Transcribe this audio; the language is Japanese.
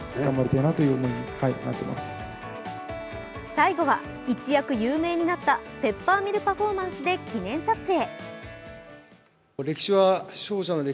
最後は一躍有名になったペッパーミルパフォーマンスで記念撮影。